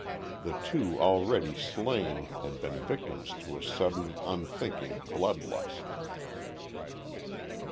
The two already slain had been victims to a sudden, unthinking blood lust.